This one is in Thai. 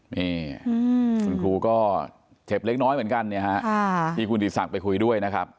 คุณครูก็เฉ็บเล็กน้อยเหมือนกันที่คุณศิสตร์สั่งไปคุยด้วยนะครับ